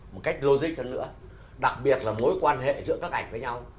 một cách logic hơn nữa đặc biệt là mối quan hệ giữa các ảnh với nhau